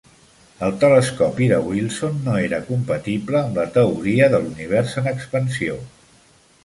El telescopi de Wilson no era compatible amb la teoria de l"univers en expansió.